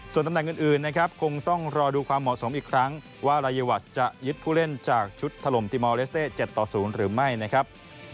ส่วนตำแหน่งอื่นนะครับคงต้องรอดูความเหมาะสมอีกครั้งว่ารายวัชจะยึดผู้เล่นจากชุดถล่มติมอลเลสเต้๗ต่อ๐หรือไม่นะครับ